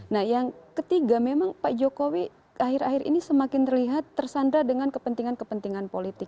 nah yang ketiga memang pak jokowi akhir akhir ini semakin terlihat tersandra dengan kepentingan kepentingan politik